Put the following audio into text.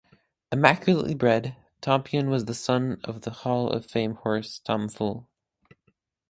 Immaculately bred, Tompion was the son of the Hall of Fame horse Tom Fool.